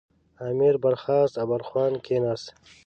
امیر برخاست او برخوان کېناست.